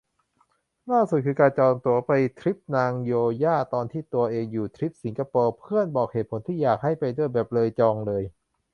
ล่าสุดคือการจองตั๋วไปทริปนาโงย่าตอนที่ตัวเองอยู่ทริปสิงคโปร์ เพื่อนบอกเหตุผลที่อยากให้ไปด้วยแบบ เลยจองเลย